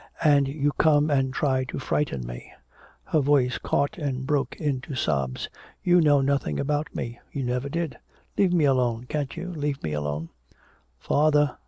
And you come and try to frighten me!" Her voice caught and broke into sobs. "You know nothing about me! You never did! Leave me alone, can't you leave me alone!" "Father?"